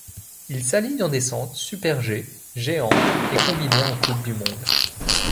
Il s'aligne en descente, super G, géant et combiné en Coupe du monde.